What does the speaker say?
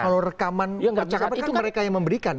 kalau rekaman percakapan kan mereka yang memberikan